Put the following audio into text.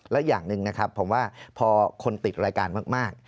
และอย่างหนึ่งนะครับผมว่าพอคนติดรายการมาก